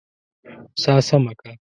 سا سمه که!